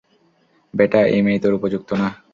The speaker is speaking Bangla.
ব্যাটা, এই মেয়ে তোর উপযুক্ত না।